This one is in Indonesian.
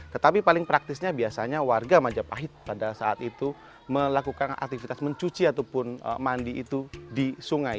tetapi paling praktisnya biasanya warga majapahit pada saat itu melakukan aktivitas mencuci ataupun mandi itu di sungai